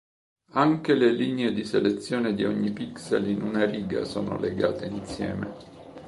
Anche le linee di selezione di ogni pixel in una riga sono legate insieme.